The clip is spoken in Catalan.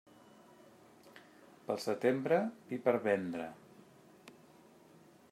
Pel setembre, vi per vendre.